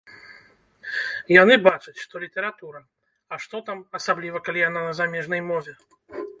Яны бачаць, што літаратура, а што там, асабліва калі яна на замежнай мове?